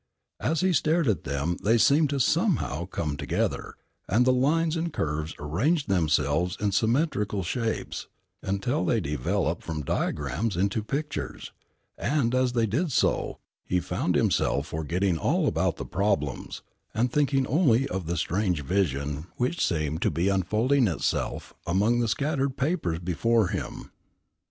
As he stared at them they seemed somehow to come together, and the lines and curves arranged themselves in symmetrical shapes, until they developed from diagrams into pictures; and as they did so he found himself forgetting all about the problems, and thinking only of the strange vision which seemed to be unfolding itself among the scattered papers before him.